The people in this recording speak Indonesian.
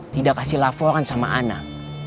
tidak kasih laporan sama anak